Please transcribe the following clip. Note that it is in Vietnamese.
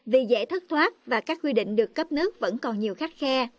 vì dễ thất thoát và các quy định được cấp nước vẫn còn nhiều khách khe